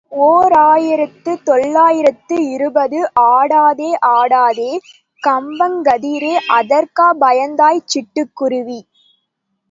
ஓர் ஆயிரத்து தொள்ளாயிரத்து இருபது ஆடாதே, ஆடாதே, கம்பங்கதிரே அதற்கா பயந்தாய் சிட்டுக்குருவி?